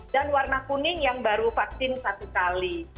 dan warna kuning yang baru vaksin satu kali